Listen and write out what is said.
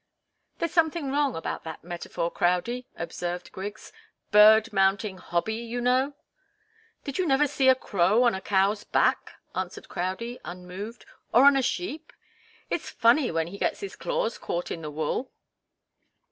"There's something wrong about that metaphor, Crowdie," observed Griggs. "Bird mounting hobby you know." "Did you never see a crow on a cow's back?" enquired Crowdie, unmoved. "Or on a sheep? It's funny when he gets his claws caught in the wool."